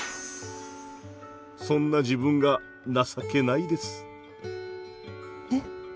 そんな自分が情けないです。え？